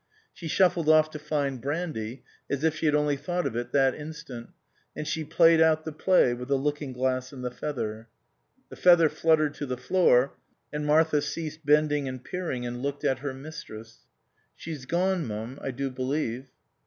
She shuffled off to find brandy, as if she had only thought of it that instant ; and she played out the play with the looking glass and the feather. The feather fluttered to the floor, and Martha ceased bending and peering, and looked at her mistress. " She's gone, m'm, I do believe."